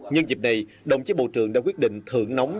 nhân dịp này đồng chí bộ trưởng đã quyết định thưởng nóng